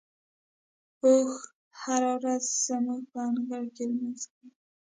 اوښ هره ورځ زموږ په انګړ کې لمونځ کوي.